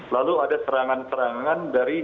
lalu ada serangan serangan dari